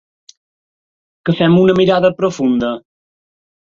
Que fem una mirada profunda?